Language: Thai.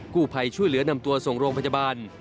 ผู้ภัยช่วยเหลือนำตัวส่งโรงพยาบาล